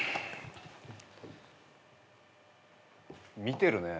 見てるね。